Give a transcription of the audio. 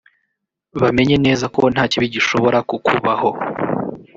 bamenye neza ko nta kibi gishobora kukubaho